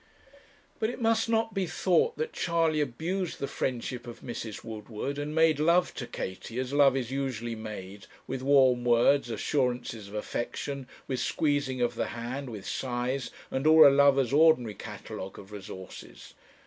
But it must not be thought that Charley abused the friendship of Mrs. Woodward, and made love to Katie, as love is usually made with warm words, assurances of affection, with squeezing of the hand, with sighs, and all a lover's ordinary catalogue of resources.